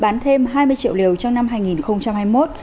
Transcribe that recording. bán thêm hai mươi triệu liều trong năm hai nghìn hai mươi một